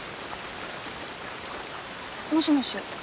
もしもし。